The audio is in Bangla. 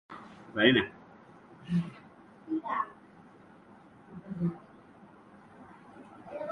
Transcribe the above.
উহান শহর কোথায়?